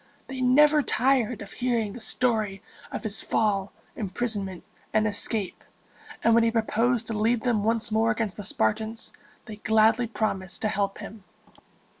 They never tired of hearing the story of his fall, imprisonment, and escape; and when he proposed to lead them once more against the Spartans, they gladly promised to help him.